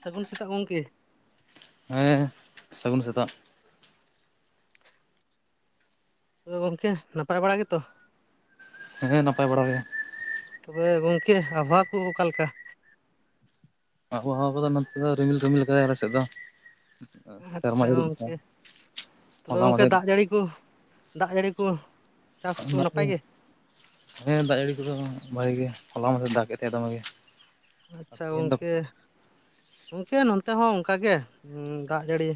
ᱥᱟᱹᱜᱩᱱ ᱥᱮᱛᱟᱜ ᱜᱚᱝᱠᱮ᱾ ᱦᱮᱸ ᱥᱟᱹᱜᱩᱱ ᱥᱮᱛᱟᱜ᱾ ᱜᱚᱝᱠᱮ ᱱᱟᱯᱟᱭ ᱵᱟᱲᱟ ᱜᱮᱛᱚ? ᱦᱮᱸ ᱱᱟᱯᱟᱭ ᱵᱟᱲᱟ ᱜᱮ᱾ ᱛᱚᱵᱮ ᱜᱚᱝᱠᱮ ᱟᱵᱦᱟᱣᱟ ᱠᱩ ᱚᱠᱟᱞᱮᱠᱟ? ᱟᱵᱚᱦᱟᱣᱟ ᱠᱚ ᱫᱚ ᱱᱚᱛᱮ ᱫᱚ ᱨᱤᱢᱤᱞ ᱨᱤᱢᱤᱞ ᱟᱠᱟᱫᱟᱭ ᱟᱞᱮ ᱥᱮᱜ ᱫᱚ᱾ ᱟᱪᱪᱷᱟ ᱥᱮᱨᱢᱟ ᱡᱟᱹᱲᱤ ᱞᱮᱠᱟ ᱜᱚᱝᱠᱮ ᱛᱚᱵᱮ ᱦᱚᱞᱟ ᱜᱚᱝᱠᱮ ᱢᱟᱫᱷᱮᱨ ᱫᱟᱜ ᱡᱟᱹᱲᱤ ᱠᱩ ᱫᱟᱜ ᱡᱟᱹᱲᱤ ᱠᱩ ᱚᱱᱟ ᱦᱩᱸ ᱦᱮᱸ ᱫᱟᱜ ᱡᱟᱹᱲᱤ ᱠᱚᱫᱚ ᱵᱷᱟᱜᱮ ᱜᱮ ᱦᱚᱞᱟ ᱢᱟᱫᱦᱮᱨ ᱫᱟᱜ ᱠᱮᱛ ᱛᱮ ᱟᱫᱚ ᱚᱱᱟ ᱟᱪᱪᱷᱟ ᱜᱚᱝᱠᱮ ᱜᱚᱝᱠᱮ ᱱᱚᱱᱛᱮ ᱦᱚᱸ ᱚᱝᱠᱟ ᱜᱮ ᱫᱟᱜ ᱡᱟᱹᱲᱤ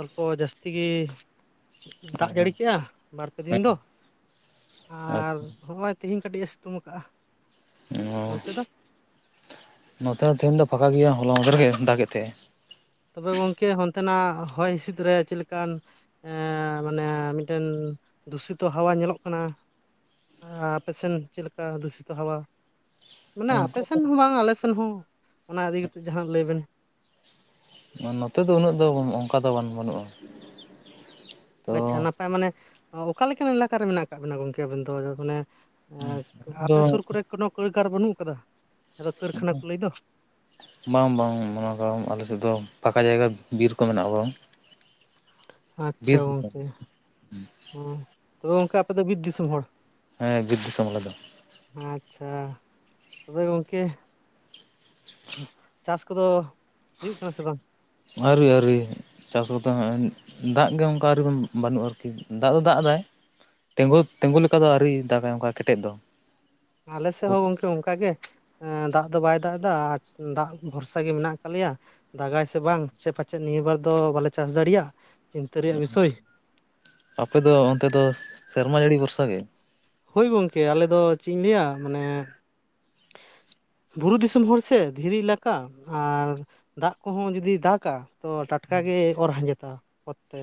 ᱚᱞᱯᱚ ᱡᱟᱹᱥᱛᱤ ᱜᱤ ᱫᱟᱜ ᱦᱮᱸ ᱡᱟᱹᱲᱤ ᱠᱮᱜᱼᱟ ᱵᱟᱨᱯᱮ ᱫᱤᱱ ᱫᱚ ᱟᱪᱪᱷᱟ ᱟᱨ ᱦᱚᱹᱜᱼᱚᱭ ᱛᱤᱦᱤᱧ ᱠᱟᱹᱴᱤᱡ ᱮ ᱥᱤᱛᱩᱝ ᱟᱠᱟᱜᱼᱟ᱾ ᱚ ᱚᱱᱛᱮ ᱫᱚ ᱱᱚᱛᱮ ᱦᱚᱸ ᱛᱮᱦᱮᱧ ᱫᱚ ᱯᱷᱟᱠᱟ ᱜᱮᱭᱟ ᱦᱚᱞᱟ ᱢᱟᱫᱦᱮᱨ ᱜᱮ ᱫᱟᱜ ᱜᱮᱜ ᱛᱮᱦᱮᱸ᱾ ᱛᱚᱵᱮ ᱜᱚᱝᱠᱮ ᱚᱱᱛᱮᱱᱟᱜ ᱦᱚᱭ ᱦᱤᱸᱥᱤᱫ ᱨᱮ ᱪᱮᱜ ᱞᱮᱠᱟᱱ ᱮ ᱢᱟᱱᱮ ᱢᱤᱫᱴᱮᱱ ᱫᱩᱥᱤᱛᱚ ᱦᱟᱣᱟ ᱧᱮᱞᱚᱜ ᱠᱟᱱᱟ᱾ ᱟᱯᱮᱥᱮᱱ ᱪᱮᱜ ᱞᱮᱠᱟ ᱫᱩᱥᱤᱛᱚ ᱦᱟᱣᱟ ᱢᱟᱱᱮ ᱟᱯᱮ ᱥᱮᱱ ᱦᱚᱸ ᱵᱟᱝ ᱟᱞᱮ ᱥᱮᱱ ᱦᱚᱸ ᱚᱱᱟ ᱤᱫᱤ ᱠᱟᱛᱮᱜ ᱡᱟᱦᱟᱸ ᱱᱟᱜ ᱞᱟᱹᱭ ᱵᱮᱱ᱾ ᱱᱚᱛᱮ ᱫᱚ ᱩᱱᱟᱹᱜ ᱫᱚ ᱵᱟᱱᱩ ᱚᱱᱠᱟ ᱫᱚ ᱵᱟᱝ ᱵᱟᱹᱱᱩᱜᱼᱟ᱾ ᱛᱚ ᱟᱪᱪᱷᱟ ᱱᱟᱯᱟᱭ ᱢᱟᱱᱮ ᱚᱠᱟ ᱞᱮᱠᱟᱱ ᱮᱞᱟᱠᱟ ᱨᱮ ᱢᱮᱱᱟᱜ ᱠᱟᱜ ᱵᱮᱱᱟ ᱜᱚᱝᱠᱮ ᱟᱵᱤᱱ ᱫᱚ ᱢᱟᱱᱮ ᱦᱮᱸ ᱫᱚ ᱟᱯᱮ ᱥᱩᱨ ᱠᱚᱨᱮ ᱠᱳᱱᱳ ᱠᱟᱹᱭᱠᱟᱨ ᱵᱟᱹᱱᱩᱜ ᱟᱠᱟᱫᱟ ᱟᱫᱚ ᱠᱟᱹᱨᱠᱷᱟᱱᱟ ᱠᱚ ᱞᱟᱹᱭ ᱫᱚ᱾ ᱵᱟᱝ ᱵᱟᱝ ᱚᱱᱟ ᱫᱚ ᱟᱞᱮᱥᱮᱜ ᱫᱚ ᱯᱷᱟᱠᱟ ᱡᱟᱭᱜᱟ ᱵᱤᱨ ᱠᱚ ᱢᱮᱱᱟᱜ ᱟ ᱵᱚᱨᱚᱝ᱾ ᱟᱪᱪᱷᱟ ᱜᱚᱝᱠᱮ ᱦᱮᱸ ᱛᱚᱵᱮ ᱜᱚᱝᱠᱮ ᱟᱯᱮ ᱫᱚ ᱵᱤᱨ ᱫᱤᱥᱚᱢ ᱦᱚᱲ ᱦᱮᱸ ᱵᱤᱨ ᱫᱤᱥᱚᱢ ᱟᱞᱮ ᱫᱚ᱾ ᱟᱪᱪᱷᱟ ᱛᱚᱵᱮ ᱜᱚᱝᱠᱮ ᱪᱟᱥ ᱠᱚ ᱫᱚ ᱦᱩᱭᱩᱜ ᱠᱟᱱᱟ ᱥᱮ ᱵᱟᱝ? ᱟᱣᱨᱤ ᱟᱣᱨᱤ ᱪᱟᱥ ᱠᱚ ᱫᱚ ᱦᱟᱸᱜ ᱫᱟᱜ ᱜᱮ ᱚᱱᱠᱟ ᱟᱨᱤ ᱵᱚᱱ ᱵᱟᱹᱱᱩᱜᱼᱟ ᱟᱨᱠᱤ ᱫᱟᱜ ᱫᱚ ᱫᱟᱜ ᱮᱫᱟᱭ ᱛᱮᱸᱜᱳ ᱛᱮᱸᱜᱳ ᱞᱮᱠᱟ ᱫᱚ ᱟᱹᱣᱨᱤᱭ ᱫᱟᱜᱟᱭ ᱚᱝᱠᱟ ᱠᱮᱴᱮᱡ ᱫᱚ᱾ ᱟᱞᱮ ᱥᱮᱜ ᱦᱚᱸ ᱜᱚᱝᱠᱮ ᱚᱝᱠᱟ ᱜᱮ᱾ ᱮᱸ ᱫᱟᱜ ᱫᱚ ᱵᱟᱭ ᱫᱟᱜ ᱮᱫᱟ ᱟᱨ ᱫᱟᱜ ᱵᱷᱚᱨᱥᱟ ᱜᱮ ᱢᱮᱱᱟᱜ ᱠᱟᱜ ᱞᱮᱭᱟ᱾ ᱫᱟᱜᱟᱭ ᱥᱮ ᱵᱟᱝ ᱥᱮ ᱯᱟᱪᱮᱜ ᱱᱤᱭᱟᱹ ᱵᱟᱨ ᱫᱚ ᱵᱟᱞᱮ ᱪᱟᱥ ᱫᱟᱲᱤᱭᱟᱜ ᱪᱤᱱᱛᱟᱹ ᱨᱮᱭᱟᱜ ᱵᱤᱥᱚᱭ᱾ ᱟᱯᱮᱫᱚ ᱚᱱᱛᱮ ᱫᱚ ᱥᱮᱨᱢᱟ ᱡᱟᱹᱲᱤ ᱵᱷᱚᱨᱥᱟ ᱜᱮ? ᱦᱩᱭ ᱜᱚᱝᱠᱮ ᱟᱞᱮ ᱫᱚ ᱪᱮᱜ ᱤᱧ ᱞᱟᱹᱭᱟ ᱢᱟᱱᱮ ᱵᱩᱨᱩ ᱫᱤᱥᱚᱢ ᱦᱚᱲ ᱥᱮ ᱫᱷᱤᱨᱤ ᱮᱞᱟᱠᱟ ᱟᱨ ᱫᱟᱜ ᱠᱚᱦᱚᱸ ᱡᱩᱫᱤᱭ ᱫᱟᱜᱟ ᱛᱚ ᱴᱟᱴᱠᱟᱜᱮ ᱚᱨ ᱦᱟᱸᱡᱮᱫᱚᱜ ᱟ ᱛᱮ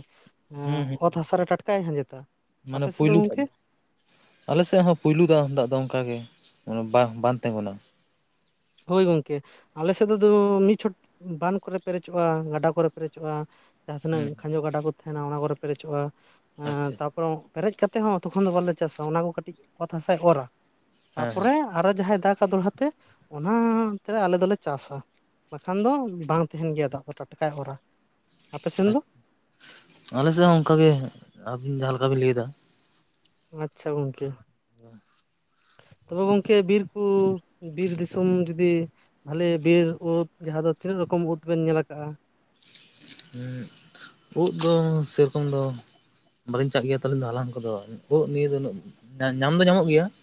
ᱦᱩᱸ ᱦᱩᱸ ᱚᱛ ᱦᱟᱥᱟᱨᱮ ᱴᱟᱴᱠᱟᱭ ᱦᱟᱸᱡᱮᱫᱟ᱾ ᱢᱟᱱᱮ ᱯᱩᱭᱞᱩ ᱴᱟᱜ ᱟᱞᱮᱥᱮᱜ ᱦᱚᱸ ᱯᱩᱭᱞᱩ ᱫᱟᱜ ᱦᱚ ᱫᱟᱜ ᱫᱚ ᱚᱝᱠᱟ ᱜᱮ ᱵᱟᱝ ᱵᱟᱝ ᱛᱮᱜᱩᱱᱟ᱾ ᱦᱳᱭ ᱜᱚᱝᱠᱮ᱾ ᱟᱞᱮ ᱥᱮᱜ ᱫᱚ ᱫᱚ ᱢᱤᱫ ᱪᱷᱚᱴ ᱵᱟᱸᱱ ᱠᱚᱨᱮ ᱯᱮᱨᱮᱡᱚᱜᱼᱟ, ᱜᱟᱰᱟ ᱠᱚᱨᱮ ᱯᱮᱨᱮᱡᱚᱜᱼᱟ, ᱡᱟᱦᱟᱸ ᱛᱤᱱᱟᱹᱜ ᱦᱩᱸ ᱠᱷᱟᱸᱡᱚ ᱜᱟᱰᱟ ᱠᱚ ᱛᱟᱦᱮᱱᱟ ᱚᱱᱟ ᱠᱚᱨᱮ ᱯᱮᱨᱮᱡᱚᱜᱼᱟ ᱟᱪᱪᱷᱟ ᱛᱟᱯ ᱵᱚᱨᱚᱝ ᱯᱮᱨᱮᱡ ᱠᱟᱛᱮᱜ ᱦᱚᱸ ᱛᱚᱠᱷᱚᱱ ᱫᱚ ᱵᱟᱞᱮ ᱪᱟᱥᱟ ᱚᱱᱟ ᱠᱚ ᱠᱟᱹᱴᱤᱡ ᱚᱛ ᱦᱟᱥᱟᱭ ᱚᱨᱟ ᱦᱮᱸ ᱦᱮᱸ ᱛᱟᱯᱚᱨᱮ ᱟᱨᱚ ᱡᱟᱦᱟᱸᱭ ᱫᱟᱜᱟ ᱫᱚᱲᱦᱟ ᱛᱮ ᱚᱱᱟᱛᱮ ᱟᱞᱮ ᱫᱚᱞᱮ ᱪᱟᱥᱟ ᱵᱟᱠᱷᱟᱱ ᱫᱚ ᱵᱟᱝ ᱛᱟᱦᱮᱱ ᱜᱮᱭᱟ ᱫᱟᱜ ᱫᱚ ᱴᱟᱴᱠᱟᱭ ᱚᱨᱟ᱾ ᱟᱯᱮ ᱥᱮᱱ ᱫᱚ? ᱟᱞᱮᱥᱮᱜ ᱦᱚᱸ ᱚᱝᱠᱟᱜᱮ ᱟᱹᱵᱤᱱ ᱡᱟᱦᱟᱸ ᱞᱮᱠᱟ ᱵᱤᱱ ᱞᱮᱭᱫᱟ ᱾ ᱟᱪᱪᱷᱟ ᱜᱚᱝᱠᱮ ᱾ [unintelligible] ᱛᱚᱵᱮ ᱜᱚᱝᱠᱮ ᱵᱤᱨ ᱠᱩ ᱵᱤᱨ ᱫᱤᱥᱚᱢ ᱡᱩᱫᱤ ᱵᱷᱟᱞᱮ ᱵᱤᱨ ᱩᱫ ᱡᱟᱦᱟᱸ ᱫᱚ ᱛᱤᱱᱟᱹᱜ ᱨᱚᱠᱚᱢ ᱩᱫ ᱵᱮᱱ ᱧᱮᱞ ᱟᱠᱟᱜᱼᱟ? ᱩᱸᱜ ᱩᱫ ᱫᱚ ᱥᱮᱨᱚᱠᱚᱢ ᱫᱚ ᱵᱟᱞᱤᱧ ᱪᱟᱜ ᱜᱮᱭᱟ ᱛᱚ ᱟᱞᱤᱧ ᱫᱚ ᱦᱟᱞᱟᱝ ᱠᱚᱫᱚ ᱳᱜ ᱱᱤᱭᱟᱹ ᱫᱚ ᱩᱱᱟᱹᱜ ᱧᱟᱢ ᱫᱚ ᱧᱟᱢᱚᱜ ᱜᱮᱭᱟ ᱾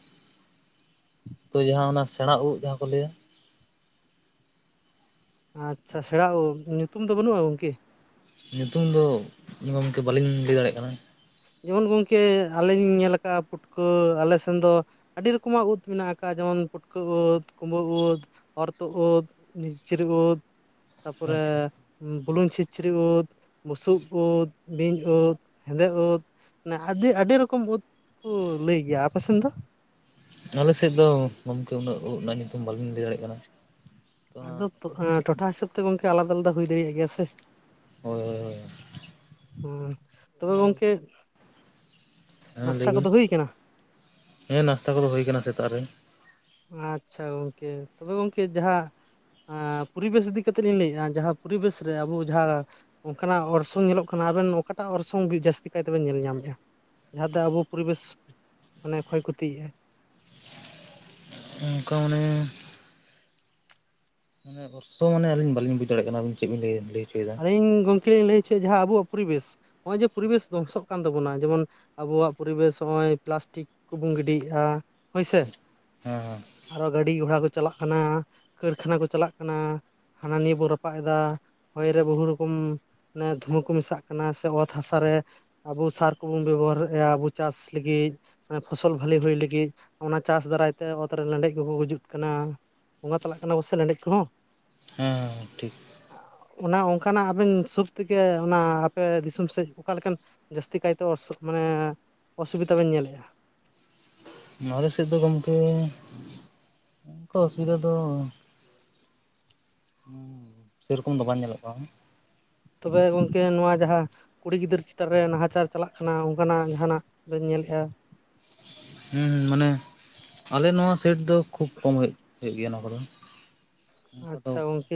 ᱛᱚ ᱡᱟᱦᱟᱸ ᱚᱱᱟ ᱥᱮᱬᱟ ᱩᱜ ᱡᱟᱦᱟᱸ ᱠᱚ ᱞᱟᱹᱭᱟ ᱟᱪᱪᱷᱟ ᱥᱮᱬᱟ ᱩᱜ ᱧᱩᱛᱩᱢ ᱫᱚ ᱵᱟᱹᱱᱩᱜᱼᱟ ᱜᱚᱝᱠᱮ? ᱧᱩᱛᱩᱢ ᱫᱚ ᱜᱚᱝᱠᱮ ᱵᱟᱹᱞᱤᱧ ᱞᱮᱭ ᱫᱟᱲᱮᱜ ᱠᱟᱱᱟ ᱾ ᱡᱮᱢᱚᱱ ᱜᱚᱝᱠᱮ ᱟᱞᱤᱧ ᱧᱮᱞ ᱟᱠᱟᱜᱼᱟ ᱯᱩᱴᱠᱟᱹ ᱟᱞᱮ ᱥᱮᱱ ᱫᱚ ᱟᱹᱰᱤ ᱨᱚᱠᱚᱢᱟᱜ ᱩᱫ ᱢᱮᱱᱟᱜ ᱟᱠᱟᱜᱼᱟ ᱡᱮᱢᱚᱱ ᱯᱩᱴᱠᱟᱹ ᱳᱫ ᱠᱩᱢᱵᱟᱹ ᱳᱫ ᱚᱨᱛᱳᱜ ᱳᱫ ᱱᱤᱥᱪᱤᱨᱤ ᱳᱫ ᱾ ᱛᱟᱯᱚᱨᱮ ᱟᱪᱪᱷᱟ ᱵᱩᱞᱩᱝ ᱪᱷᱤᱪᱪᱷᱤᱨᱤ ᱳᱫᱽ ᱵᱩᱥᱩᱵ ᱳᱫᱽ ᱵᱤᱧ ᱳᱫᱽ ᱾ ᱦᱮᱸᱫᱮ ᱳᱫᱽ ᱢᱟᱱᱮ ᱟᱹᱫᱤ ᱟᱹᱰᱤ ᱨᱚᱠᱚᱢ ᱳᱫᱽ ᱠᱚ ᱞᱟᱹᱭ ᱜᱮᱭᱟ ᱟᱯᱮ ᱥᱮᱱ ᱫᱚ? ᱟᱞᱮᱥᱮᱫ ᱫᱚ ᱜᱚᱢᱠᱮ ᱩᱱᱟᱹᱜ ᱳᱜ ᱱᱟᱜ ᱧᱩᱛᱩᱢ ᱵᱟᱹᱞᱤᱧ ᱞᱮᱭ ᱫᱟᱲᱮᱜ ᱠᱟᱱᱟ ᱾ ᱟᱫᱚᱵ ᱛᱚ ᱮᱸ ᱴᱚᱴᱷᱟ ᱦᱤᱥᱟᱹᱵ ᱛᱮ ᱜᱚᱝᱠᱮ ᱟᱞᱟᱫᱟ ᱟᱞᱟᱫᱟ ᱦᱩᱭ ᱫᱟᱲᱮᱭᱟᱜ ᱜᱮᱭᱟ ᱥᱮ? ᱦᱳᱭ ᱦᱳᱭ ᱦᱳᱭ ᱟᱸ ᱛᱚᱵᱮ ᱜᱚᱝᱠᱮ ᱮᱸ ᱱᱟᱥᱛᱟ ᱞᱟᱹᱭᱵᱤᱱ ᱠᱚᱫᱚ ᱦᱩᱭ ᱠᱟᱱᱟ ᱦᱮᱸ ᱱᱟᱥᱛᱟ ᱠᱚᱫᱚ ᱦᱳᱭ ᱠᱟᱱᱟ ᱥᱮᱛᱟᱜ ᱨᱮ ᱾ ᱟᱪᱪᱷᱟ ᱜᱚᱝᱠᱮ ᱛᱚᱵᱮ ᱜᱚᱝᱠᱮ ᱡᱟᱦᱟᱸ ᱟ ᱯᱭᱨᱤᱵᱮᱥ ᱤᱫᱤ ᱠᱟᱛᱮᱜ ᱞᱤᱧ ᱞᱮᱭᱮᱜᱼᱟ ᱡᱟᱦᱟᱸ ᱯᱚᱨᱤᱵᱮᱥ ᱨᱮ ᱟᱵᱚ ᱡᱟᱦᱟ ᱚᱝᱠᱟᱱᱟᱜ ᱚᱨᱥᱚᱝ ᱧᱮᱞᱚᱜ ᱠᱟᱱᱟ ᱟᱵᱮᱱ ᱚᱠᱟᱴᱟᱜ ᱚᱨᱥᱚᱝ ᱵᱤ ᱡᱟᱹᱥᱛᱤ ᱠᱟᱭ ᱛᱮᱵᱮᱱ ᱧᱮᱞ ᱧᱟᱢᱮᱫᱟ? ᱡᱟᱦᱟᱸ ᱫᱚ ᱟᱵᱚ ᱯᱚᱨᱤᱵᱮᱥ ᱢᱟᱱᱮ ᱠᱷᱚᱭ ᱠᱷᱚᱛᱤᱭᱮᱜᱼᱟᱭ ᱾ ᱚᱝᱠᱟ ᱚᱱᱮ ᱢᱟᱱᱮ ᱚᱨᱥᱚ ᱢᱟᱱᱮ ᱟᱞᱤᱧ ᱵᱟᱹᱞᱤᱧ ᱵᱩᱡᱽ ᱫᱟᱲᱮᱭᱟᱜ ᱠᱟᱱᱟ ᱟᱵᱤᱱ ᱪᱮᱜ ᱵᱤᱱ ᱞᱟᱹᱭ ᱞᱮᱭ ᱦᱚᱪᱚᱭᱮᱫᱟ ᱤᱧ ᱜᱚᱝᱠᱮᱧ ᱞᱟᱹᱭ ᱦᱚᱪᱚᱭᱮᱜ ᱡᱟᱦᱟᱸ ᱟᱵᱚᱣᱟᱜ ᱯᱚᱨᱤᱵᱮᱥ ᱱᱚᱜᱼᱚᱭ ᱡᱮ ᱯᱚᱨᱤᱵᱮᱥ ᱫᱷᱚᱝᱥᱚᱜ ᱠᱟᱱ ᱛᱟᱵᱚᱱᱟ ᱡᱮᱢᱚᱱ ᱟᱵᱚᱣᱟᱜ ᱯᱚᱨᱤᱵᱮᱥ ᱦᱚᱸᱜᱼᱚᱭ ᱯᱞᱟᱥᱴᱤᱠ ᱠᱚᱵᱚᱱ ᱜᱤᱰᱤᱭᱮᱜᱼᱟ ᱦᱳᱭᱥᱮ? ᱦᱮᱸ ᱦᱮᱸ ᱟᱨᱚ ᱜᱟᱹᱰᱤ ᱜᱷᱚᱲᱟ ᱠᱚ ᱪᱟᱞᱟᱜ ᱠᱟᱱᱟ, ᱠᱟᱹᱨᱠᱷᱟᱱᱟ ᱠᱚ ᱪᱟᱞᱟᱜ ᱠᱟᱱᱟ, ᱦᱟᱱᱟ ᱱᱤᱭᱟᱹ ᱵᱚᱱ ᱨᱟᱯᱟᱜ ᱮᱫᱟ ᱦᱚᱭ ᱨᱮ ᱵᱚᱦᱩ ᱨᱚᱠᱚᱢ ᱢᱟᱱᱮ ᱫᱷᱩᱢᱟᱹ ᱠᱚ ᱢᱮᱥᱟᱜ ᱠᱟᱱᱟ ᱥᱮ ᱚᱛ ᱦᱟᱥᱟ ᱨᱮ ᱟᱵᱚ ᱥᱟᱨ ᱠᱚᱵᱚᱝ ᱵᱮᱵᱚᱦᱟᱨᱮᱜᱼᱟ ᱟᱵᱚ ᱪᱟᱥ ᱞᱟᱹᱜᱤᱜ ᱯᱷᱚᱥᱚᱞ ᱵᱷᱟᱹᱞᱤ ᱦᱩᱭ ᱞᱟᱹᱜᱤᱫ ᱚᱱᱟ ᱪᱟᱥ ᱫᱟᱨᱟᱭᱛᱮ ᱚᱛᱨᱮ ᱞᱮᱸᱰᱮᱡ ᱠᱚᱠᱚ ᱜᱩᱡᱩᱫ ᱠᱟᱱᱟ ᱾ ᱵᱚᱸᱜᱟ ᱛᱟᱞᱟᱜ ᱠᱟᱱᱟ ᱠᱚᱥᱮ ᱞᱮᱸᱰᱮᱡ ᱠᱚᱦᱚᱸ ᱾ ᱦᱮᱸ ᱦᱮᱸ ᱦᱮᱸ ᱴᱷᱤᱠ ᱾ ᱚᱱᱟ ᱚᱝᱠᱟᱱᱟᱜ ᱟᱵᱮᱱ ᱥᱩᱵᱛᱮᱠᱮ ᱚᱱᱟ ᱟᱯᱮ ᱫᱤᱥᱚᱢ ᱥᱮᱜ ᱚᱠᱟᱞᱮᱠᱟᱱ? ᱡᱟᱹᱥᱛᱤ ᱠᱟᱭᱛᱮ ᱚᱨᱥᱚᱜ ᱢᱟᱱᱮ ᱚᱥᱩᱵᱤᱫᱟ ᱵᱮᱱ ᱧᱮᱞᱮᱜᱼᱟ? ᱱᱚᱣᱟᱨᱮ ᱥᱮᱫ ᱫᱚ ᱜᱚᱢᱠᱮᱼᱼ ᱚᱝᱠᱟ ᱚᱥᱵᱤᱫᱟ ᱫᱚ ᱥᱮᱨᱚᱠᱚᱢ ᱫᱚ ᱵᱟᱝ ᱧᱮᱞᱚᱜ ᱠᱟᱱᱟ ᱾ ᱛᱚᱵᱮ ᱜᱚᱝᱠᱮ ᱱᱚᱣᱟ ᱡᱟᱦᱟᱸ ᱠᱩᱲᱤ ᱜᱤᱫᱟᱹᱨ ᱪᱮᱛᱟᱱ ᱨᱮ ᱱᱟᱦᱟᱪᱟᱨ ᱪᱟᱞᱟᱜ ᱠᱟᱱᱟ ᱚᱝᱠᱟᱱᱟᱜ ᱡᱟᱦᱟᱱᱟᱜ ᱵᱤᱱ ᱧᱮᱞᱮᱜᱼᱟ? ᱦᱩᱸ ᱦᱩᱸ ᱢᱟᱱᱮ ᱟᱞᱮ ᱱᱚᱣᱟ ᱥᱟᱹᱭᱤᱰ ᱫᱚ ᱠᱷᱩᱵ ᱠᱚᱢ ᱦᱩᱭᱩᱜ ᱦᱩᱭᱩᱜ ᱜᱮᱭᱟ ᱱᱚᱣᱟ ᱠᱚᱫᱚ ᱾ ᱚᱝᱠᱟ ᱫᱚ ᱟᱪᱪᱷᱟ ᱜᱚᱝᱠᱮ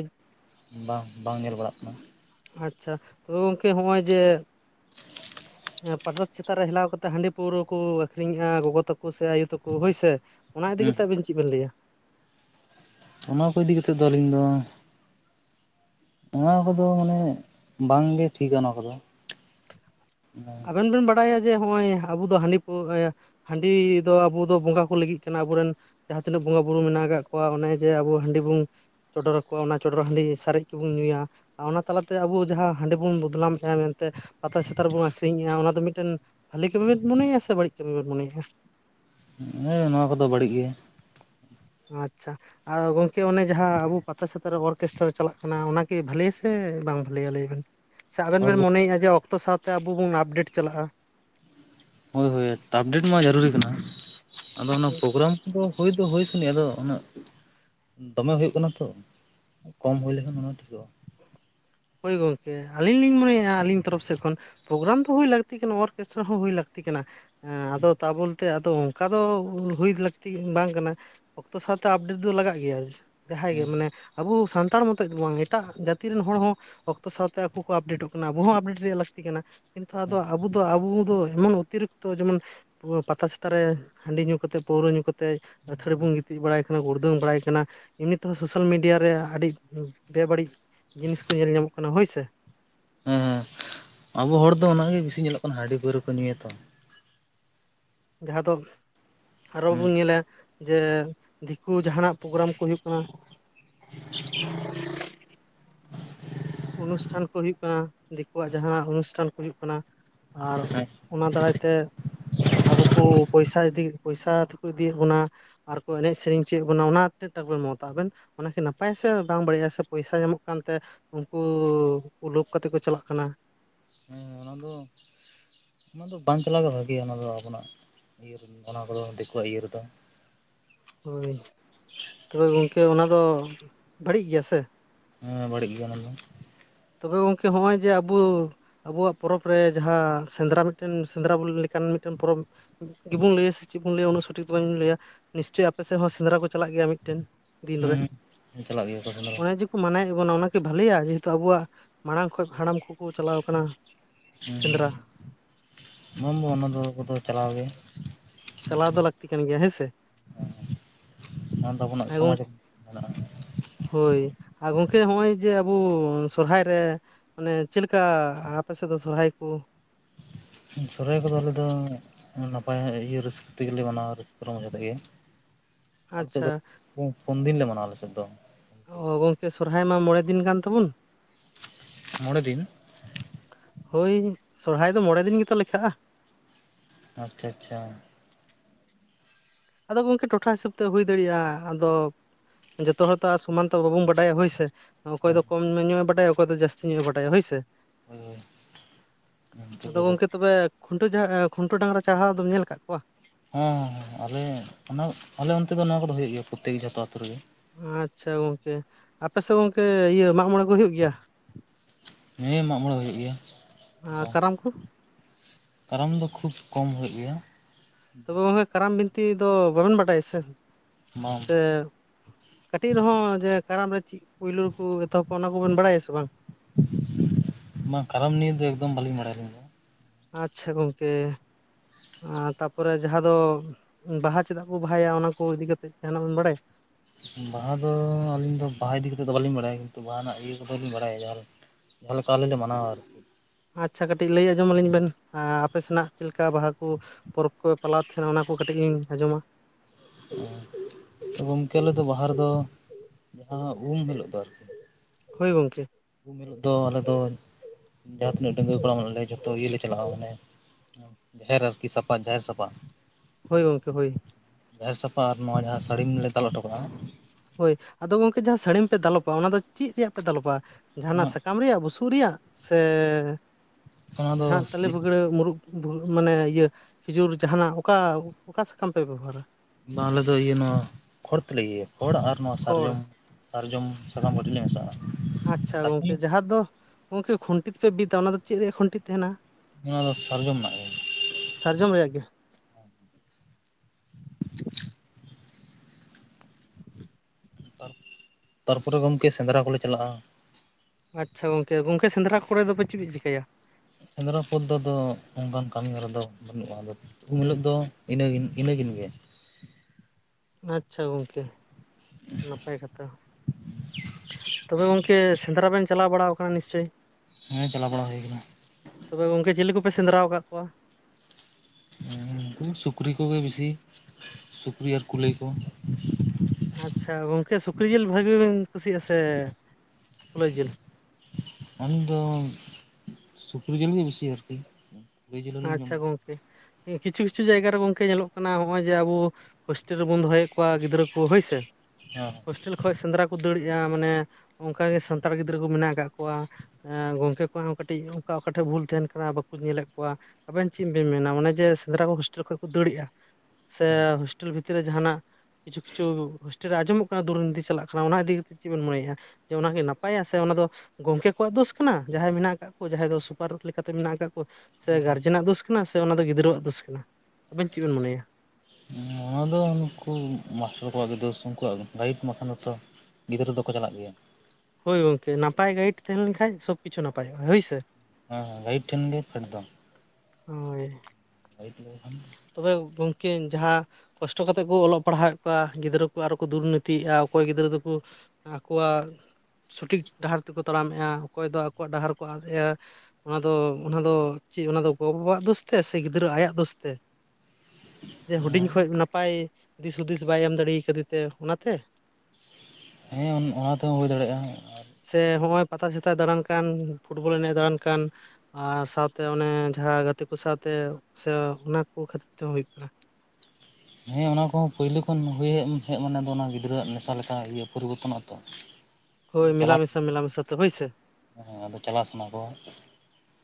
ᱵᱟᱝ ᱵᱟᱝ ᱧᱮᱞ ᱵᱟᱲᱟᱜ ᱠᱟᱱᱟ ᱾ ᱟᱪᱪᱷᱟ ᱛᱚᱵᱮ ᱜᱚᱝᱠᱮ ᱦᱚᱸᱜᱼᱚᱭ ᱡᱮ [inaudible] ᱟᱸ ᱯᱟᱛᱟ ᱪᱷᱟᱛᱟ ᱨᱮ ᱦᱮᱞᱟᱣ ᱠᱟᱛᱮᱜ ᱦᱟᱺᱰᱤ ᱯᱟᱹᱣᱨᱟᱹ ᱠᱚ ᱟᱠᱷᱨᱤᱧᱮᱜ-ᱟ ᱜᱚᱜᱚ ᱛᱟᱠᱚ ᱥᱮ ᱟᱭᱩ ᱛᱟᱠᱚ ᱦᱳᱭᱥᱮ, ᱚᱱᱟ ᱤᱫᱤ ᱦᱩᱸ ᱠᱟᱛᱮᱜ ᱟᱵᱤᱱ ᱪᱮᱜ ᱵᱤᱱ ᱞᱮᱭᱟ? ᱚᱱᱟ ᱠᱚ ᱤᱫᱤ ᱠᱟᱛᱮᱜ ᱫᱚ ᱟᱹᱞᱤᱧ ᱫᱚ ᱚᱱᱟ ᱠᱚᱫᱚ ᱢᱟᱱᱮ ᱵᱟᱝᱜᱮ ᱴᱷᱤᱠᱟ ᱚᱱᱟ ᱠᱚᱫᱚ ᱾ [unintelligible] ᱟᱵᱮᱱ ᱵᱮᱱ ᱵᱟᱰᱟᱭᱟ ᱡᱮ ᱦᱚ-ᱚᱭ ᱟᱵᱚ ᱫᱚ ᱦᱟᱹᱰᱤ ᱯᱟᱹᱣᱟᱹ ᱦᱟᱹᱰᱤ ᱫᱚ ᱟᱵᱚ ᱫᱚ ᱵᱚᱸᱜᱟ ᱠᱚ ᱞᱟᱹᱜᱤᱫ ᱠᱟᱱᱟ ᱟᱵᱚᱨᱮᱱ ᱡᱟᱦᱟᱸ ᱛᱤᱱᱟᱹᱜ ᱵᱚᱸᱜᱟ ᱵᱩᱨᱩ ᱢᱮᱱᱟᱜ ᱠᱟᱜ ᱠᱚᱣᱟ ᱚᱱᱮ ᱡᱮ ᱟᱵᱚ ᱦᱟᱹᱰᱤ ᱵᱩᱱ ᱪᱚᱰᱚᱨ ᱟᱠᱚᱣᱟ ᱚᱱᱟ ᱪᱚᱰᱚᱨ ᱦᱟᱹᱰᱤ ᱥᱟᱨᱮᱡ ᱠᱚᱵᱚᱱ ᱧᱩᱭᱟ᱾ ᱚᱱᱟ ᱛᱟᱞᱟᱛᱮ ᱟᱵᱚ ᱡᱟᱦᱟᱸ ᱦᱟᱹᱰᱤ ᱵᱚᱱ ᱵᱚᱫᱱᱟᱢ ᱢᱮᱱᱛᱮ ᱯᱟᱛᱟ ᱪᱷᱛᱟ ᱨᱮ ᱵᱚᱱ ᱟᱹᱠᱷᱨᱤᱧᱮ-ᱟ ᱚᱱᱟ ᱫᱚ ᱢᱤᱫᱴᱮᱱ ᱵᱷᱟᱹᱞᱤ ᱠᱟᱹᱢᱤ ᱵᱮᱱ ᱢᱚᱱᱮᱭᱟ ᱥᱮ ᱵᱟᱹᱲᱤᱡ ᱠᱟᱹᱢᱤ ᱵᱮᱱ ᱢᱚᱱᱮᱭᱟ? ᱦᱮᱸ ᱱᱚᱣᱟ ᱠᱚᱫᱚ ᱵᱟᱹᱲᱤᱡ ᱜᱮ, ᱟᱪᱪᱷᱟ ᱾ ᱟᱨ ᱜᱚᱝᱠᱮ ᱚᱱᱮ ᱡᱟᱦᱟᱸ ᱟᱵᱚ ᱯᱟᱛᱟ ᱪᱷᱛᱟ ᱨᱮ ᱚᱨᱠᱮᱥᱴᱟᱨ ᱪᱟᱞᱟᱜ ᱠᱟᱱᱟ ᱚᱱᱟᱠᱤ ᱵᱷᱟᱹᱞᱮᱭᱟ ᱥᱮ ᱵᱟᱝ ᱵᱷᱟᱹᱞᱮᱭᱟ ᱞᱟᱹᱭ ᱵᱮᱱ? ᱥᱮ ᱟᱵᱮᱱ ᱚᱨ ᱵᱮᱱ ᱢᱚᱱᱮᱭᱮᱫ-ᱟ ᱡᱮ ᱚᱠᱛᱚ ᱥᱟᱶᱛᱮ ᱟᱵᱚ ᱵᱚᱱ ᱟᱯᱰᱮᱴ ᱪᱟᱞᱟᱜ-ᱟ᱾ ᱦᱳᱭ ᱦᱳᱭ ᱟᱯᱰᱮᱴ ᱢᱟ ᱡᱟᱹᱨᱩᱨᱤ ᱠᱟᱱᱟ ᱟᱫᱚ ᱚᱱᱟ ᱯᱨᱳᱜᱨᱟᱢ ᱫᱚ ᱦᱩᱭ ᱫᱚ ᱦᱩᱭ ᱪᱚᱱᱤᱡ ᱟᱫᱚ ᱩᱱᱟᱹᱜ ᱫᱚᱢᱮ ᱦᱩᱭᱩᱜ ᱠᱟᱱᱟ ᱛᱚ ᱠᱚᱢ ᱦᱩᱭ ᱞᱮᱠᱷᱟᱱ ᱚᱱᱟ ᱴᱷᱤᱠᱚᱜ-ᱟ᱾ ᱦᱳᱭ ᱜᱚᱝᱠᱮ ᱟᱹᱞᱤᱧ ᱞᱤᱧ ᱢᱚᱱᱮᱭᱟ ᱟᱹᱞᱤᱧ ᱛᱚᱨᱚᱯᱷ ᱥᱮᱫ ᱠᱷᱚᱱ ᱯᱨᱳᱜᱨᱟᱢ ᱫᱚ ᱦᱩᱭ ᱞᱟᱹᱠᱛᱤ ᱠᱟᱱᱟ ᱚᱨᱠᱮᱥᱴᱟᱨ ᱦᱚᱸ ᱦᱩᱭ ᱞᱟᱹᱠᱛᱤ ᱠᱟᱱᱟ ᱟᱫᱚ ᱛᱟᱵᱚᱞᱛᱮ ᱟᱫᱚ ᱚᱠᱟ ᱫᱚ ᱦᱩᱭ ᱞᱟᱹᱠᱛᱤ ᱵᱟᱝ ᱠᱟᱱᱟ ᱚᱠᱛᱚ ᱥᱟᱶᱛᱮ ᱟᱯᱰᱮᱴ ᱫᱚ ᱞᱟᱜᱟᱜ ᱜᱮᱭᱟ᱾ ᱡᱟᱦᱟᱸᱭ ᱜᱮ ᱢᱟᱱᱮ ᱟᱵᱚ ᱥᱟᱱᱛᱟᱲ ᱢᱚᱛᱚᱡ ᱫᱚ ᱵᱟᱝ ᱮᱴᱟᱜ ᱡᱟᱹᱛᱤ ᱨᱮᱱ ᱦᱚᱲ ᱦᱚᱸ, ᱚᱠᱛᱚ ᱥᱟᱶᱛᱮ ᱟᱠᱚ ᱠᱚ ᱟᱯᱰᱮᱴᱚᱜ ᱠᱟᱱᱟ ᱟᱵᱚ ᱦᱚᱸ ᱟᱯᱰᱮᱴ ᱨᱮᱭᱟᱜ ᱞᱟᱹᱠᱛᱤ ᱠᱟᱱᱟ ᱠᱤᱱᱛᱩ ᱟᱫᱚ ᱟᱵᱚ ᱫᱚ ᱟᱵᱚ ᱫᱚ ᱮᱢᱚᱱ ᱚᱛᱤᱨᱤᱠᱛᱚ ᱡᱮᱢᱚᱱ ᱯᱟᱛᱟ ᱪᱷᱟᱛᱟ ᱨᱮ ᱦᱟᱹᱰᱤ ᱧᱩ ᱠᱟᱛᱮ ᱯᱟᱹᱣᱨᱟᱹ ᱧᱩ ᱠᱟᱛᱮ ᱟᱹᱛᱷᱟᱹᱲᱤ ᱵᱚᱱ ᱜᱤᱛᱤᱡ ᱵᱟᱲᱟᱭ ᱜᱩᱲᱫᱩᱝ ᱵᱟᱲᱟᱭ ᱠᱟᱱᱟ ᱮᱢᱱᱤ ᱛᱮᱦᱚᱸ ᱥᱳᱥᱟᱞ ᱢᱤᱰᱤᱭᱟ ᱨᱮ ᱟᱹᱰᱤ ᱵᱮᱵᱟᱹᱲᱤᱡ ᱡᱤᱱᱤᱥ ᱧᱮᱞ ᱧᱟᱢᱚᱜ ᱠᱟᱱᱟ ᱦᱳᱭ ᱥᱮ, ᱦᱮᱸ ᱦᱮᱸ ᱟᱵᱚ ᱦᱚᱲ ᱫᱚ ᱚᱱᱟᱜᱮ ᱵᱤᱥᱤ ᱧᱮᱞᱚᱜ ᱠᱟᱱᱟ ᱦᱟᱹᱰᱤ ᱯᱟᱹᱣᱨᱟᱹ ᱠᱚ ᱧᱩᱭᱟ ᱛᱚ ᱾ ᱡᱟᱦᱟᱸ ᱫᱚ ᱟᱨᱚ ᱵᱚᱱ ᱦᱮᱸ ᱧᱮᱞᱟ ᱡᱮ ᱫᱤᱠᱩ ᱡᱟᱦᱟᱱᱟᱜ ᱯᱨᱳᱜᱨᱟᱢ ᱠᱚ ᱦᱩᱭᱩᱜ ᱠᱟᱱᱟ [unintelligible] ᱚᱱᱩᱥᱴᱷᱟᱱ ᱠᱚ ᱦᱩᱭᱩᱜ ᱠᱟᱱᱟ ᱫᱤᱠᱩᱣᱟᱜ ᱡᱟᱦᱟᱸ ᱚᱱᱩᱥᱴᱷᱟᱱ ᱠᱚ ᱦᱩᱭᱩᱜ ᱠᱟᱱᱟ, ᱟᱨ ᱦᱮᱸ ᱚᱱᱟ ᱫᱟᱨᱟᱭ ᱛᱮ ᱟᱵᱚ ᱠᱚ ᱯᱚᱭᱥᱟ ᱤᱫᱤ ᱯᱚᱭᱥᱟ ᱛᱮᱠᱚ ᱤᱫᱤᱭᱮᱫ ᱵᱚᱱᱟ ᱟᱨ ᱠᱚ ᱮᱱᱮᱡ ᱥᱮᱨᱮᱧᱪᱚᱭᱮᱫ ᱵᱚᱱᱟ ᱚᱱᱟ [inaudible] ᱵᱮᱱ ᱢᱚᱛᱟᱜ ᱟᱵᱮᱱ? ᱚᱱᱟᱠᱤ ᱱᱟᱯᱟᱭ ᱟᱥᱮ ᱵᱟᱝ ᱵᱟᱹᱲᱤᱡ-ᱟ ᱥᱮ ᱯᱚᱭᱥᱟ ᱧᱟᱢᱚᱜ ᱠᱟᱱᱛᱮ ᱩᱱᱠᱩ ᱯᱩᱞᱩᱠ ᱠᱟᱛᱮᱫ ᱠᱚ ᱪᱟᱞᱟᱜ ᱠᱟᱱᱟ᱾ ᱦᱮᱸᱸ ᱚᱱᱟ ᱫᱚ ᱚᱱᱟ ᱫᱚ ᱵᱟᱝ ᱪᱟᱞᱟᱣ ᱜᱮ ᱵᱷᱟᱜᱮᱤᱭᱟ ᱚᱱᱟ ᱫᱚ ᱟᱵᱚᱱᱟᱜ ᱤᱭᱟᱹ ᱚᱱᱟ ᱠᱚᱫᱚ ᱫᱤᱠᱩᱣᱟᱜ ᱤᱭᱟᱹ ᱨᱮᱫᱚ᱾ ᱦᱳᱭ ᱛᱚᱵᱮ ᱜᱚᱝᱠᱮ ᱚᱱᱟ ᱫᱚ ᱵᱟᱹᱲᱤᱡ ᱜᱮᱭᱟ ᱥᱮ? ᱦᱮᱸ ᱵᱟᱹᱲᱤᱡ ᱜᱮᱭᱟ ᱚᱱᱟ ᱫᱚ᱾ ᱛᱚᱵᱮ ᱜᱚᱝᱠᱮ ᱱᱚᱜ-ᱚᱭ ᱡᱮ ᱟᱵᱩ ᱟᱵᱚᱣᱟᱜ ᱯᱚᱨᱚᱵ ᱨᱮ ᱡᱟᱦᱟᱸ ᱥᱮᱸᱫᱽᱨᱟ ᱢᱤᱫᱴᱮᱱ ᱥᱮᱸᱫᱽᱨᱟ ᱞᱮᱠᱟᱱ ᱢᱤᱫᱴᱮᱱ ᱯᱚᱨᱚᱵ ᱜᱮᱵᱚᱱ ᱞᱟᱹᱭᱟ ᱥᱮ ᱪᱮᱫ ᱵᱚᱱ ᱞᱟᱹᱭᱟ ᱩᱱᱟᱹᱜ ᱥᱚᱴᱷᱤᱠ ᱵᱟᱹᱧ ᱞᱟᱹᱭᱟ ᱱᱤᱥᱪᱳᱭ ᱟᱯᱮ ᱥᱮᱫ ᱦᱚᱸ ᱥᱮᱸᱫᱽᱨᱟ ᱠᱚ ᱪᱟᱞᱟᱜ ᱜᱮᱭᱟ, ᱢᱤᱫᱴᱮᱱ ᱫᱤᱱᱨᱮ ᱦᱮᱸ ᱪᱟᱞᱟᱜ ᱜᱮᱭᱟ ᱠᱚ ᱥᱮᱸᱫᱽᱨᱟ ᱾ ᱚᱱᱮ ᱡᱮᱠᱚ ᱢᱟᱱᱟᱭᱮᱫ ᱵᱚᱱᱟ ᱚᱱᱟᱠᱤ ᱵᱟᱹᱞᱮᱭᱟ ᱡᱮᱦᱮᱛᱩ ᱟᱵᱚᱣᱟᱜ ᱢᱟᱲᱟᱝ ᱠᱷᱚᱡ ᱦᱟᱲᱟᱢ ᱠᱚᱠᱚ ᱪᱟᱞᱟᱣ ᱠᱟᱱᱟ᱾ ᱦᱮᱸ ᱥᱮᱸᱫᱽᱨᱟ ᱦᱮᱸ ᱵᱟᱝ ᱵᱟᱝ ᱚᱱᱟ ᱫᱚ ᱠᱚᱫᱚ ᱪᱟᱞᱟᱣ ᱜᱮ᱾ ᱪᱟᱞᱟᱣ ᱫᱚ ᱞᱟᱹᱠᱛᱤ ᱠᱟᱱ ᱜᱮᱭᱟ ᱦᱮᱸ ᱥᱮ᱾ ᱱᱚᱣᱟ ᱫᱚ ᱟᱵᱚᱱᱟᱜ ᱦᱮᱸ ᱜᱚᱝ ᱥᱚᱢᱟᱡᱽ ᱮ ᱢᱮᱱᱟᱜᱼᱟ᱾ ᱦᱳᱭ ᱟᱨ ᱜᱚᱝᱠᱮ ᱦᱚᱜᱼᱚᱭ ᱡᱮ ᱟᱵᱩ ᱥᱚᱨᱦᱟᱭ ᱨᱮ ᱢᱟᱱᱮ ᱪᱮᱫ ᱞᱮᱠᱟ ᱟᱯᱮ ᱥᱮᱫ ᱫᱚ ᱥᱚᱨᱦᱟᱭ ᱠᱩ? ᱥᱚᱨᱚᱦᱨᱟᱭ ᱠᱚᱫᱚ ᱟᱞᱮ ᱫᱚ ᱱᱟᱯᱟᱭ ᱤᱭᱟᱹ ᱨᱟᱹᱥᱠᱟᱹ ᱛᱮᱜᱮ ᱞᱮ ᱢᱟᱱᱟᱣ ᱨᱟᱹᱥᱠᱟᱹ ᱨᱚᱢᱚᱡ ᱟᱛᱮ ᱜᱮ᱾ [inaudible] ᱟᱞᱮ ᱥᱮᱫ ᱫᱚ ᱯᱩᱱ ᱫᱤᱱ ᱞᱮ ᱢᱟᱱᱟᱣᱟ ᱟᱞᱮ ᱥᱮᱫ ᱫᱚ᱾ ᱚ ᱜᱚᱝᱠᱮ ᱥᱚᱨᱦᱟᱭ ᱢᱟ ᱢᱚᱬᱮ ᱫᱤᱱ ᱜᱟᱱ ᱛᱟᱵᱚᱱ᱾ ᱢᱚᱬᱮ ᱫᱤᱱ᱾ ᱦᱳᱭ ᱥᱚᱨᱦᱟᱭ ᱫᱚ ᱢᱚᱬᱮ ᱫᱤᱱ ᱜᱮᱛᱚ ᱞᱮᱠᱷᱟᱜ-ᱟ᱾ ᱟᱪᱪᱷᱟ ᱟᱪᱪᱷᱟ᱾ ᱟᱫᱚ ᱜᱚᱝᱠᱮ ᱴᱚᱴᱷᱟ ᱦᱤᱥᱟᱹᱵ ᱛᱮ ᱦᱳᱭ ᱫᱟᱲᱮᱼᱟ ᱟᱫᱚ ᱡᱚᱛᱚ ᱦᱚᱲ ᱛᱚ ᱟᱨ ᱥᱚᱢᱟᱱ ᱛᱚ ᱵᱟᱵᱚᱝ ᱵᱟᱰᱟᱭᱟ ᱦᱳᱭᱥᱮ᱾ ᱚᱠᱚᱭ ᱫᱚ ᱦᱳᱭ ᱠᱚᱢ ᱧᱚᱧᱚ ᱵᱟᱰᱟᱭᱟ ᱚᱠᱚᱭ ᱫᱚ ᱡᱟᱹᱥᱛᱤ ᱧᱚᱜᱮ ᱵᱟᱰᱟᱭᱟ ᱦᱳᱭᱥᱮ᱾ ᱦᱳᱭ ᱚᱱᱛᱮ ᱟᱫᱚ ᱜᱮ ᱵᱮᱥ᱾ ᱦᱮᱸ ᱜᱚᱝᱠᱮ ᱛᱚᱵᱮ ᱠᱷᱩᱱᱟᱹ ᱡᱟᱦᱟᱸ ᱠᱷᱩᱱᱴᱟᱹ ᱰᱟᱝᱨᱟ ᱪᱟᱨᱦᱟᱣ ᱫᱚᱢ ᱧᱮᱞ ᱟᱠᱟᱫ ᱠᱚᱣᱟ? ᱦᱚᱸᱮ ᱟᱞᱮ ᱚᱱᱟ ᱟᱞᱮ ᱚᱱᱛᱮ ᱫᱚ ᱱᱚᱣᱟ ᱠᱚᱫᱚ ᱦᱳᱭᱳᱜ ᱜᱮᱭᱟ ᱯᱨᱚᱛᱛᱮᱠ ᱡᱚᱛᱚ ᱟᱛᱳ ᱨᱮᱜᱮ᱾ ᱟᱪᱪᱷᱟ ᱜᱚᱝᱠᱮ ᱟᱮᱯ ᱥᱮᱫ ᱜᱚᱝᱠᱮ ᱤᱭᱟᱹ ᱢᱟᱜ ᱢᱚᱬᱮ ᱠᱚ ᱦᱳᱭᱳᱜ ᱜᱮᱭᱟ? ᱦᱮ ᱢᱟᱜ ᱢᱚᱬᱮ ᱦᱳᱭᱳᱜ ᱜᱮᱭᱟ᱾ ᱟᱨ ᱠᱟᱨᱟᱢ ᱠᱚ᱾ ᱠᱟᱨᱟᱢ ᱫᱚ ᱠᱷᱩᱵ ᱠᱚᱢ ᱦᱳᱭᱩᱜ ᱜᱮᱭᱟ᱾ ᱦᱮᱸ ᱠᱟᱨᱟᱢ ᱵᱤᱱᱛᱤ ᱫᱚ ᱵᱟᱵᱮᱱ ᱵᱟᱰᱟᱭᱟ ᱥᱮ ᱵᱟᱝ ᱥᱮ ᱵᱟᱝ ᱠᱟᱹᱴᱤᱡ ᱨᱮᱦᱚᱸ ᱡᱮ ᱠᱟᱨᱟᱢ ᱨᱮ ᱪᱮᱫ ᱯᱩᱭᱞᱳ ᱨᱮᱠᱚ ᱮᱛᱚᱦᱚᱵ ᱟ ᱚᱱᱟ ᱠᱚᱵᱮᱱ ᱵᱟᱲᱟᱭᱟ ᱥᱮ ᱵᱟᱝ? ᱢᱟ ᱠᱟᱨᱟᱢ ᱱᱤᱭᱮ ᱫᱚ ᱮᱠᱫᱚᱢ ᱵᱟᱹᱞᱤᱧ ᱵᱟᱲᱟᱭ ᱟᱹᱞᱤᱧ ᱫᱚ ᱾ ᱟᱪᱪᱷᱟ ᱜᱚᱝᱠᱮ ᱛᱟᱯᱚᱨᱮ ᱡᱟᱦᱟᱸ ᱫᱚ ᱵᱟᱦᱟ ᱪᱮᱫᱟᱜ ᱠᱚ ᱵᱟᱦᱟᱭᱟ ᱚᱱᱟ ᱠᱚ ᱤᱫᱤ ᱠᱟᱛᱮᱫ ᱡᱟᱦᱟ ᱱᱟᱜ ᱵᱮᱱ ᱵᱟᱲᱟᱭᱟ? ᱵᱟᱦᱟ ᱫᱚ ᱟᱹᱞᱤᱧ ᱫᱚ ᱵᱟᱦᱟ ᱤᱫᱤ ᱠᱟᱛᱮᱜ ᱫᱚ ᱵᱟᱹᱞᱤᱧ ᱵᱟᱲᱟᱭᱟ ᱠᱤᱱᱛᱩ ᱵᱟᱦᱟ ᱱᱟᱜ ᱤᱭᱟᱹ ᱠᱚᱫᱚ ᱞᱤᱧ ᱵᱟᱲᱟᱭᱟ ᱡᱟᱦᱟ ᱡᱟᱦᱟ ᱞᱮᱠᱟ ᱟᱞᱮ ᱞᱮ ᱢᱟᱱᱟᱣᱟ ᱟᱨ᱾ ᱟᱪᱪᱷᱟ ᱠᱟᱹᱴᱤᱡ ᱞᱟᱹᱭ ᱟᱡᱸᱚᱢ ᱟᱹᱞᱤᱧ ᱵᱮᱱ ᱟᱯᱮ ᱥᱮᱱᱟᱜ ᱪᱮᱫ ᱞᱮᱠᱟ ᱵᱟᱦᱟ ᱠᱚ? ᱯᱚᱨᱚᱵᱽ ᱠᱚ ᱯᱟᱞᱟᱛ ᱛᱟᱦᱮᱱᱟ ᱚᱱᱟ ᱠᱚ ᱠᱟᱹᱴᱤᱡ ᱞᱤᱧ ᱟᱸᱡᱚᱢᱟ᱾ ᱜᱚᱝᱠᱮ ᱟᱞᱮ ᱫᱚ ᱵᱟᱦᱟ ᱨᱮᱫᱚ ᱡᱟᱦᱟ ᱩᱢ ᱦᱤᱞᱳᱜ ᱫᱚ ᱟᱨ᱾ ᱦᱳᱭ ᱜᱚᱝᱠᱮ᱾ ᱩᱢ ᱦᱤᱞᱳᱜ ᱫᱚ ᱟᱞᱮ ᱫᱚ ᱡᱟᱦᱟᱸ ᱛᱤᱱᱟᱹᱜ ᱰᱟᱺᱜᱟᱹᱣ ᱠᱚᱲᱟ ᱢᱮᱱᱟᱜ ᱞᱮᱭᱟ ᱡᱷᱚᱛᱚ ᱤᱭᱟᱹ ᱞᱮ ᱪᱟᱞᱟᱜᱼᱟ ᱢᱟᱱᱮ ᱡᱟᱦᱮᱨ ᱟᱨᱠᱤ ᱥᱟᱯᱷᱟ ᱡᱟᱦᱮᱨ ᱥᱟᱯᱷᱟ᱾ ᱦᱳᱭ ᱜᱚᱝᱠᱮ ᱦᱳᱭ᱾ ᱡᱟᱦᱮᱨ ᱥᱟᱯᱷᱟ ᱟᱨ ᱱᱚᱣᱟ ᱡᱟᱦᱟ ᱥᱟᱹᱲᱤᱢ ᱞᱮ ᱫᱟᱞᱚᱜ ᱦᱚᱴᱚ ᱠᱟᱜᱼᱟ᱾ ᱦᱳᱭ ᱟᱫᱚ ᱜᱚᱝᱠᱮ ᱡᱟᱦᱟ ᱥᱟᱹᱲᱤᱢ ᱯᱮ ᱫᱟᱞᱚᱵᱟ ᱚᱱᱟ ᱫᱚ ᱪᱮᱫ ᱨᱮᱭᱟᱜ ᱯᱮ ᱫᱟᱞᱚᱵᱟ? ᱡᱟᱦᱟ ᱱᱟᱜ ᱚᱱᱟ ᱥᱟᱠᱟᱢ ᱨᱮᱭᱟᱜ ᱵᱩᱥᱩᱵ ᱨᱮᱭᱟᱜ ᱥᱮ ᱚᱱᱟ ᱫᱚ ᱡᱟᱦᱟᱱ ᱛᱟᱞᱮ ᱵᱟᱜᱽᱲᱟᱹ ᱢᱩᱨᱩᱫ ᱢᱟᱱᱮ ᱤᱭᱟᱹ ᱠᱷᱤᱡᱩᱨ ᱡᱟᱦᱟ ᱱᱟᱜ ᱚᱠᱟ ᱚᱠᱟ ᱥᱟᱠᱟᱢ ᱯᱮ ᱵᱮᱵᱚᱦᱟᱨᱟ? ᱵᱟᱝ ᱟᱞᱮ ᱫᱚ ᱤᱭᱟᱹ ᱱᱚᱣᱟ ᱠᱷᱚᱲ ᱛᱮᱞᱮ ᱤᱭᱟᱹᱭᱟ ᱠᱷᱚᱲ ᱟᱨ ᱱᱚᱣᱟ ᱠᱷᱚᱲ ᱥᱟᱨᱡᱚᱢ ᱥᱟᱨᱡᱚᱢ ᱥᱟᱠᱟᱢ ᱠᱟᱴᱤᱡ ᱞᱮ ᱢᱮᱥᱟᱜᱼᱟ᱾ ᱟᱪᱪᱷᱟ ᱜᱚᱝᱠᱮ ᱥᱟᱨᱡᱚᱢ ᱡᱟᱦᱟ ᱫᱚ ᱜᱚᱝᱠᱮ ᱠᱷᱩᱱᱴᱤ ᱛᱮᱯᱮ ᱵᱤᱫᱟ ᱚᱱᱟ ᱫᱚ ᱪᱮᱫ ᱨᱮᱭᱟᱜ ᱠᱷᱩᱱᱴᱤ ᱛᱟᱦᱮᱱᱟ? ᱚᱱᱟ ᱫᱚ ᱥᱟᱨᱡᱚᱢ ᱨᱮᱱᱟᱜ ᱜᱮ ᱾ ᱥᱟᱨᱡᱚᱢ ᱨᱮᱭᱟᱜ ᱜᱮ ᱾ [inaudible] ᱛᱟᱨ ᱛᱟᱨᱯᱚᱨᱮ ᱜᱚᱝᱠᱮ ᱥᱮᱸᱫᱽᱨᱟ ᱠᱚᱞᱮ ᱪᱟᱞᱟᱜᱼᱟ ᱾ ᱟᱪᱪᱷᱟ ᱜᱚᱝᱠᱮ ᱜᱚᱝᱠᱮ ᱥᱮᱸᱫᱽᱨᱟ ᱠᱚᱨᱮ ᱫᱚᱯᱮ ᱪᱮᱫ ᱯᱮ ᱪᱤᱠᱟᱹᱭᱟ? ᱥᱮᱫᱨᱟ ᱯᱚᱨ ᱫᱚ ᱟᱫᱚ ᱚᱱᱠᱟᱱ ᱠᱟᱹᱢᱤ ᱦᱚᱨᱟ ᱫᱚ ᱵᱟᱹᱱᱩᱜᱼᱟ ᱟᱫᱚ ᱾ ᱩᱱ ᱦᱤᱞᱳᱜ ᱫᱚ ᱤᱱᱟᱹ ᱤᱱᱟᱹᱠᱤᱱ ᱜᱮ ᱾ ᱟᱪᱪᱷᱟ ᱜᱚᱝᱠᱮ ᱾ ᱱᱟᱯᱟᱭ ᱠᱟᱛᱷᱟ ᱾ ᱛᱚᱵᱮ ᱜᱚᱝᱠᱮ ᱥᱮᱸᱫᱽᱨᱟ ᱵᱮᱱ ᱪᱟᱞᱟᱣ ᱵᱟᱲᱟᱣ ᱠᱟᱱᱟ ᱱᱤᱥᱪᱚᱭ? ᱦᱮ ᱪᱟᱞᱟᱣ ᱵᱟᱲᱟ ᱦᱳᱭ ᱟᱠᱟᱱᱟ ᱾ ᱛᱚᱵᱮ ᱜᱚᱝᱠᱮ ᱪᱤᱞᱤ ᱠᱚᱯᱮ ᱥᱮᱸᱫᱽᱨᱟ ᱣᱟᱠᱟᱫ ᱠᱚᱣᱟ? ᱩᱱᱠᱩ ᱥᱩᱠᱨᱤ ᱠᱚᱜᱮ ᱵᱤᱥᱤ ᱥᱩᱠᱨᱤ ᱟᱨ ᱠᱩᱞᱟᱹᱭ ᱠᱚ ᱾ ᱟᱪᱪᱷᱟ ᱜᱚᱝᱠᱮ ᱥᱩᱠᱨᱤ ᱡᱤᱞ ᱵᱷᱟᱹᱜᱤ ᱵᱮᱱ ᱠᱩᱥᱤᱭᱟᱜᱼᱟ ᱥᱮ ᱠᱩᱞᱟᱹᱭ ᱡᱮᱞ? ᱟᱢ ᱫᱚ ᱥᱩᱠᱨᱤ ᱡᱤᱞ ᱜᱤ ᱵᱤᱥᱤ ᱟᱨᱠᱤ ᱾ ᱟᱪᱪᱷᱟ ᱜᱚᱝᱠᱮ ᱠᱤᱪᱷᱩ ᱠᱤᱪᱷᱩ ᱡᱟᱭᱜᱟ ᱨᱮ ᱜᱚᱝᱠᱮ ᱧᱮᱞᱚᱜ ᱠᱟᱱᱟ ᱱᱚᱜᱼᱚᱭ ᱡᱮ ᱟᱵᱚ ᱦᱳᱥᱴᱮᱞ ᱨᱮᱵᱚᱱ ᱫᱚᱦᱚᱭᱮᱫ ᱠᱚᱣᱟ ᱜᱤᱫᱽᱨᱟᱹ ᱠᱚ ᱦᱳᱭᱥᱮ ᱵᱟᱲᱟ ᱦᱳᱥᱴᱮᱞ ᱠᱷᱚᱡ ᱥᱮᱸᱫᱽᱨᱟ ᱠᱚ ᱫᱟᱹᱲᱮᱜᱼᱟ ᱢᱟᱱᱮ ᱚᱝᱠᱟᱜᱮ ᱥᱟᱱᱛᱟᱲ ᱜᱤᱫᱽᱨᱟᱹ ᱠᱚ ᱢᱮᱱᱟᱜ ᱟᱠᱟᱝ ᱠᱚᱣᱟ ᱜᱚᱝᱠᱮ ᱠᱚᱣᱟᱜ ᱦᱚᱸ ᱠᱟᱹᱴᱤᱡ ᱚᱱᱠᱟ ᱚᱠᱟᱴᱷᱮᱱ ᱵᱷᱩᱞ ᱛᱟᱦᱮᱱ ᱠᱟᱱᱟ ᱵᱟᱠᱚ ᱧᱮᱞᱮᱫ ᱟᱵᱮᱱ ᱪᱮᱜ ᱵᱮᱱ ᱢᱮᱱᱟ ᱚᱱᱮ ᱡᱮ ᱥᱮᱸᱫᱽᱨᱟ ᱠᱚ ᱦᱳᱥᱴᱮᱞ ᱠᱷᱚᱡ ᱠᱚ ᱫᱟᱹᱲᱮᱜᱼᱟ ᱥᱮ ᱦᱮᱸ ᱦᱳᱥᱴᱮᱞ ᱵᱷᱤᱛᱤᱨ ᱨᱮ ᱡᱟᱦᱟᱱᱟᱜ ᱠᱤᱪᱷᱩ ᱠᱤᱪᱷᱩ ᱦᱳᱴᱮᱞ ᱨᱮ ᱟᱸᱡᱚᱢᱚᱜ ᱠᱟᱱᱟ ᱫᱩᱨᱱᱤᱛᱤ ᱪᱟᱞᱟᱜ ᱠᱟᱱᱟ ᱚᱱᱟ ᱤᱫᱤ ᱠᱟᱛᱮᱮᱫ ᱪᱮᱫ ᱵᱮᱱ ᱢᱚᱱᱮ ᱮᱜᱼᱟ? ᱡᱮ ᱚᱱᱟᱜᱮ ᱱᱟᱯᱟᱭᱟ ᱥᱮ ᱚᱱᱟ ᱫᱚ ᱜᱚᱢᱠᱮ ᱠᱚᱣᱟᱜ ᱫᱳᱥ ᱠᱟᱱᱟ? ᱡᱟᱦᱟᱸᱭ ᱢᱮᱱᱟᱜ ᱟᱠᱟᱟᱜ ᱠᱚ ᱡᱟᱦᱟᱸᱭ ᱫᱚ ᱥᱩᱯᱟᱨ ᱞᱮᱠᱟᱛᱮ ᱢᱮᱱᱟᱜ ᱟᱠᱟᱫ ᱠᱚ ᱥᱮ ᱜᱟᱨᱡᱮᱱᱟᱜ ᱫᱳᱥ ᱠᱟᱱᱟ ᱥᱮ ᱚᱱᱟ ᱫᱚ ᱜᱤᱫᱽᱨᱟᱹᱣᱟᱜ ᱫᱳᱥ ᱠᱟᱱᱟ ᱟᱵᱮᱱ ᱪᱮᱫ ᱵᱮᱱ ᱢᱚᱱᱮᱭᱟ? ᱚᱱᱟ ᱫᱚ ᱱᱩᱠᱩ ᱢᱟᱥᱴᱟᱨ ᱠᱚᱣᱟᱜ ᱜᱮ ᱫᱳᱥ ᱩᱱᱠᱩᱣᱟᱜ ᱜᱟᱭᱤᱯ ᱢᱟᱠᱷᱟᱱ ᱫᱚᱛᱚ ᱜᱤᱫᱽᱨᱟᱹ ᱫᱚᱠᱚ ᱪᱟᱞᱟᱜ ᱜᱮᱭᱟ ᱾ ᱦᱳᱭ ᱜᱚᱝᱠᱮ ᱱᱟᱯᱟᱭ ᱜᱟᱭᱤᱰ ᱛᱟᱦᱮᱸ ᱞᱮᱱᱠᱷᱟᱡ ᱥᱚᱵ ᱠᱤᱪᱷᱩ ᱱᱟᱯᱟᱭᱚᱜᱼᱟ ᱦᱳᱭ ᱥᱮ? ᱦᱮᱸ ᱦᱮᱸ ᱜᱟᱭᱤᱴ ᱴᱷᱮᱱ ᱜᱮ ᱯᱷᱮᱰ ᱫᱚ ᱾ ᱳᱭᱻ [unintelligible] ᱛᱚᱵᱮ ᱜᱚᱢᱠᱮ ᱡᱟᱦᱟ ᱠᱚᱥᱴᱚ ᱠᱟᱛᱮᱜ ᱠᱚ ᱚᱞᱚᱜ ᱯᱟᱲᱦᱟᱣᱮᱫ ᱠᱚᱣᱟ ᱜᱤᱫᱽᱨᱟᱹ ᱠᱚ ᱟᱨᱚ ᱠᱚ ᱫᱩᱨᱱᱤᱛᱤᱭᱮᱜᱼᱟ ᱚᱠᱚᱭ ᱜᱤᱫᱽᱨᱟᱹ ᱫᱚᱠᱚ ᱟᱠᱚᱣᱟᱜ ᱥᱚᱴᱷᱤᱠ ᱰᱟᱦᱟᱨ ᱛᱮᱠᱚ ᱛᱟᱲᱟᱢᱮᱜᱼᱟ ᱚᱠᱚᱭ ᱫᱚ ᱟᱠᱚᱣᱟᱜ ᱰᱟᱦᱟᱨ ᱠᱚ ᱟᱫ ᱮᱼᱟ ᱾ ᱚᱱᱟ ᱫᱚ ᱚᱱᱟ ᱫᱚ ᱪᱮᱜ ᱚᱱᱟᱫᱚ ᱜᱚ ᱵᱟᱵᱟᱣᱟᱜ ᱫᱳᱥ ᱛᱮ ᱥᱮ ᱜᱤᱫᱽᱨᱟᱹ ᱟᱭᱟᱜ ᱫᱳᱥ ᱛᱮ ᱡᱮ ᱦᱩᱰᱤᱧ ᱠᱷᱚᱡ ᱱᱟᱯᱟᱭ ᱫᱤᱥ-ᱦᱩᱫᱤᱥ ᱵᱟᱭ ᱮᱢ ᱫᱟᱲᱮᱭ ᱠᱟᱫᱮ ᱛᱮ ᱚᱱᱟᱛᱮ? ᱦᱮᱸ ᱚᱱ ᱚᱱᱟ ᱛᱮᱦᱚᱸ ᱦᱳᱭ ᱫᱟᱲᱮᱜᱼᱟ ᱾ ᱥᱮ ᱦᱚᱸᱜᱼᱚᱭ ᱯᱟᱛᱟ ᱪᱷᱟᱛᱟᱭ ᱫᱟᱬᱟᱱ ᱠᱟᱱ ᱯᱷᱩᱴᱵᱚᱞ ᱮᱱᱮᱡ ᱮ ᱫᱟᱬᱟᱱ ᱠᱟᱱ ᱟᱨ ᱥᱟᱶᱛᱮ ᱚᱱᱮ ᱡᱟᱦᱟᱸ ᱜᱟᱛᱮ ᱠᱚ ᱥᱟᱶᱛᱮ ᱥᱮ ᱚᱱᱟᱠᱚ ᱠᱷᱟᱹᱛᱤᱨ ᱛᱮᱦᱚᱸ ᱦᱩᱭᱩᱜ ᱠᱟᱱᱟ ᱾ [inaudible] ᱦᱮᱸ ᱚᱱᱟ ᱠᱚᱦᱚᱸ ᱯᱳᱭᱞᱳ ᱠᱷᱚᱱ ᱦᱩᱭᱮᱡ ᱢᱟᱱᱮ ᱫᱚ ᱚᱱᱟ ᱜᱤᱫᱽᱨᱟᱹᱣᱟᱜ ᱱᱮᱥᱟ ᱞᱮᱠᱟ ᱤᱭᱟᱹ ᱯᱚᱨᱤᱵᱚᱨᱛᱚᱱᱚᱜ ᱟ-ᱛᱚ ᱾ ᱦᱳᱭ ᱢᱮᱞᱟ ᱢᱮᱥᱟ ᱢᱮᱞᱟ ᱢᱮᱥᱟ ᱛᱮ ᱦᱳᱭ ᱥᱮ? ᱦᱮᱸ ᱟᱫᱚ ᱪᱟᱞᱟᱜ ᱥᱟᱱᱟ ᱠᱚᱣᱟ ᱾